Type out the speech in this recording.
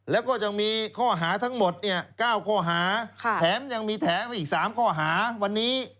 แล้วก็ยังมีข้อหาทั้งหมดเนี่ย๙ข้อหาแถมยังมีแถมอีก๓ข้อหาวันนี้